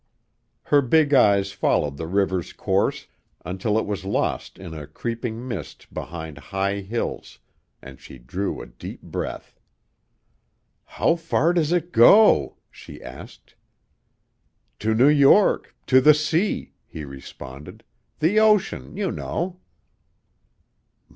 Her big eyes followed the river's course until it was lost in a creeping mist behind high hills, and she drew a deep breath. "How far does it go?" she asked. "To New York; to the sea," he responded. "The ocean, you know."